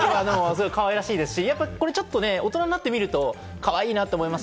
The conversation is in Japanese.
かわいらしいですし、大人になってみるとかわいいなと思います。